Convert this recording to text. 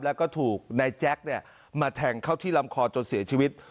แล้วก็ถูกนายแจ๊คมาแทงเข้าที่ลำคอจนเสียชีวิต